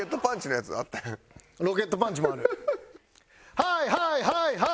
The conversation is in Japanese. はいはいはいはい！